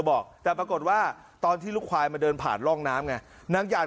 บอกแต่ปรากฏว่าตอนที่ลูกควายมาเดินผ่านร่องน้ำไงนางหยาด